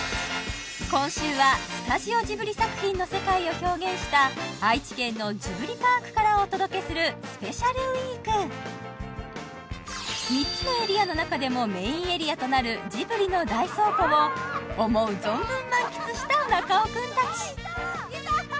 今週はスタジオジブリ作品の世界を表現した愛知県のジブリパークからお届けするスペシャルウィーク３つのエリアの中でもメインエリアとなるジブリの大倉庫を思う存分満喫した中尾君たち